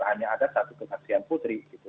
hanya ada satu kesaksian putri gitu